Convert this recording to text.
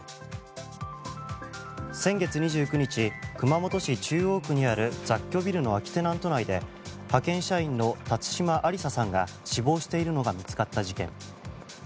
先月２９日、熊本市中央区にある雑居ビルの空きテナント内で派遣社員の辰島ありささんが死亡しているのが見つかった事件。